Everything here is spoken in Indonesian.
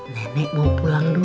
nenek mau pulang dulu